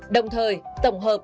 đồng thời tổng hợp